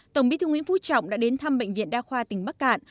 tổng bí thư nguyễn phú trọng đã đến thăm bệnh viện đa khoa tỉnh bắc cạn